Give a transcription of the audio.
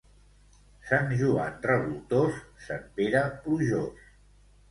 Sant Joan revoltós, Sant Pere plujós.